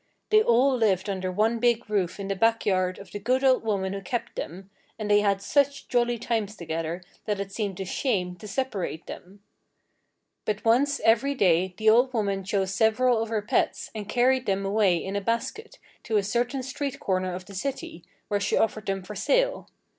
They all lived under one big roof in the backyard of the good old woman who kept them, and they had such jolly times together that it seemed a shame to separate them. But once every day the old woman chose several of her pets, and carried them away in a basket to a certain street corner of the city where she offered them for sale.